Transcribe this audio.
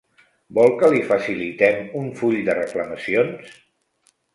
Vol que li facilitem un full de reclamacions?